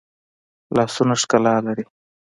لاسونه ښکلا لري